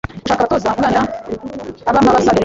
Gushaka abatoza bunganira ab’amabasade;